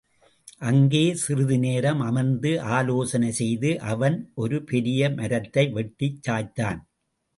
அங்கே சிறிது நேரம் அமர்ந்து ஆலோசனை செய்து, அவன் ஒரு பெரிய மரத்ததை, வெட்டிச் சாய்த்தான்.